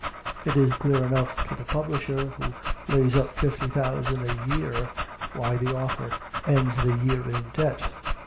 It is clear enough to the publisher who lays up fifty thousand a year why the author ends the year in debt.